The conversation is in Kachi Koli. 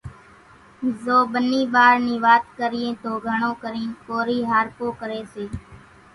زو ٻنِي ٻار نِي وات ڪريئين تو گھڻون ڪرينَ ڪورِي هارپو ڪريَ سي۔